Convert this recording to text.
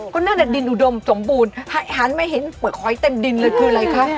ก็นั่นน่ะดินอุดมสมบูรณ์หันมาเห็นเปลือกหอยเต็มดินเลยคืออะไรคะ